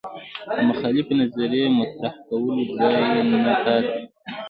د مخالفې نظریې مطرح کولو ځای نه پاتې